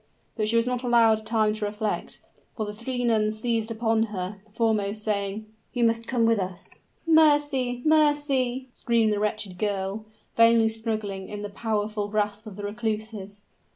But she was not allowed time to reflect; for the three nuns seized upon her, the foremost saying, "You must come with us!" "Mercy! mercy!" screamed the wretched girl, vainly struggling in the powerful grasp of the recluses.